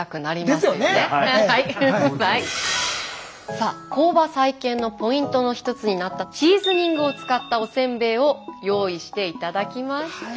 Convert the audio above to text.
さあ工場再建のポイントの一つになったシーズニングを使ったおせんべいを用意していただきました。